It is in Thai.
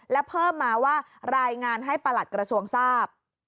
และเพิ่มมาว่ารายงานให้ประหลัดกระทรวงทราบ